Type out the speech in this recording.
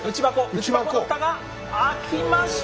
内箱の蓋が開きました！